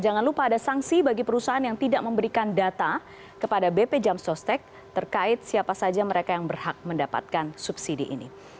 jangan lupa ada sanksi bagi perusahaan yang tidak memberikan data kepada bp jam sostek terkait siapa saja mereka yang berhak mendapatkan subsidi ini